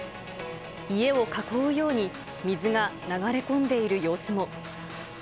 家を囲うように、水が流れ込んでいる様子も。